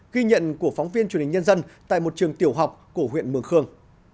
ghi nhận của phóng viên truyền hình nhân dân tại một trường tiểu học của huyện mường khương